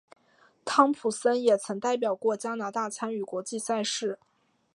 汤普森也曾代表过加拿大参与国际赛事。